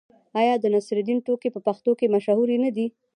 آیا د نصرالدین ټوکې په پښتنو کې مشهورې نه دي؟